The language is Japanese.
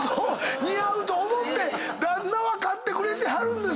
似合うと思って旦那は買ってくれてはるんですよ。